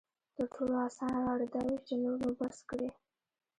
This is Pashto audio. تر ټولو اسانه لاره دا وي چې نور نو بس کړي.